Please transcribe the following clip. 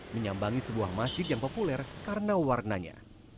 menyambangi sebuah masjid yang populer karena warnanya